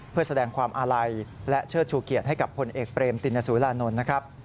เพื่อแสดงความอาลัยและเชิดชูเกียรติให้กับพลเอกเบรมตินสุรานนท์นะครับ